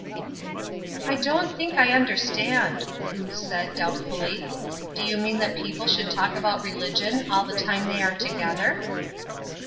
"I don't think I understand," Ruth said, doubtfully. "Do you mean that people should talk about religion all the time they are together?"